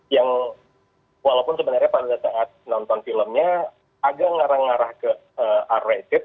yang walaupun sebenarnya pada saat nonton filmnya agak ngarah ngarah ke ar rated